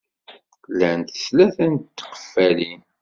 Llant tlata n tqeffalin.